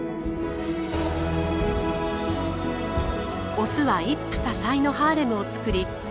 オスは一夫多妻のハーレムを作り一方